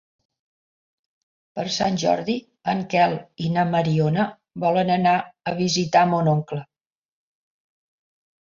Per Sant Jordi en Quel i na Mariona volen anar a visitar mon oncle.